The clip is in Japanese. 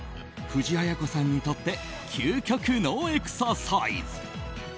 藤あや子さんにとって究極のエクササイズ。